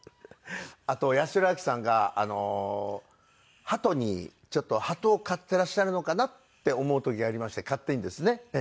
あと八代亜紀さんがハトにちょっとハトを飼っていらっしゃるのかな？って思う時がありまして勝手にですね。